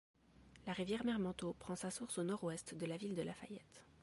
La rivière Mermentau prend sa source au nord-ouest de la ville de Lafayette.